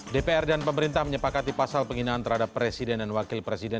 dpr dan pemerintah menyepakati pasal penghinaan terhadap presiden dan wakil presiden